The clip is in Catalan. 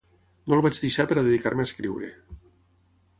No el vaig deixar per a dedicar-me a escriure.